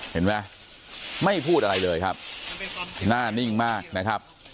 เห็นไหมไม่พูดอะไรเลยครับหน้านิ่งมากนะครับ